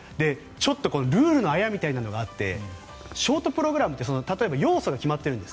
ちょっとルールのあやみたいなところがあってショートプログラムって要素が決まってるんです。